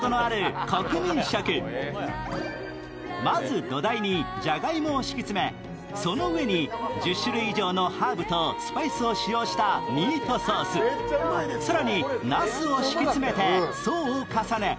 まず土台にじゃがいもを敷き詰め、その上に１０種類以上のハーブとスパイスを使用したミートソース、更になすを敷き詰めて層を重ね